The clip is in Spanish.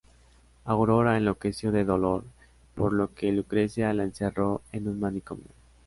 Aurora enloqueció de dolor, por lo que Lucrecia la encerró en un manicomio.